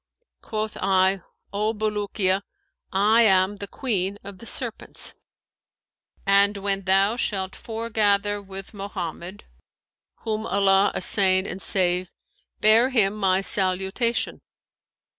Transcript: Quoth I, 'O Bulukiya, I am the Queen of the Serpents; and when thou shalt foregather with Mohammed (whom Allah assain and save!) bear him my salutation.'